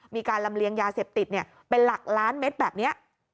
มีการลำเลียงยาเสพติดเป็นหลักล้านเม็ดแบบนี้